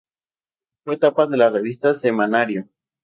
Fue tapa de la revista Semanario.